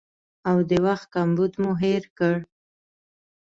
او د وخت کمبود مو هېر کړ